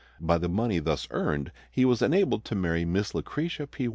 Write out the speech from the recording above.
By the money thus earned he was enabled to marry Miss Lucretia P.